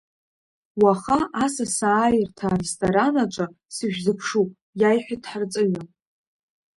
Уаха асасааирҭа аресторан аҿы сышәзыԥшуп, иаиҳәеит ҳарҵаҩы.